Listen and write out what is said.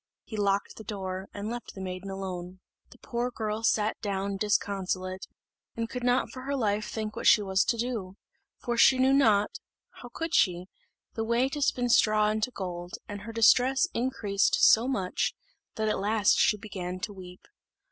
He locked the door, and left the maiden alone. The poor girl sat down disconsolate, and could not for her life think what she was to do; for she knew not how could she? the way to spin straw into gold; and her distress increased so much that at last she began to weep.